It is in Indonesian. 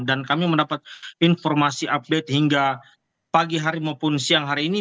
dan kami mendapat informasi update hingga pagi hari maupun siang hari ini